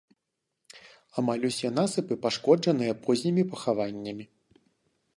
Амаль усе насыпы пашкоджаныя познімі пахаваннямі.